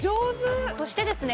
そしてですね